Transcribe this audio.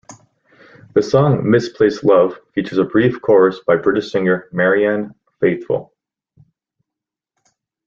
The song "Misplaced Love" features a brief chorus by British singer Marianne Faithfull.